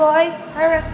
aku mau ke rumah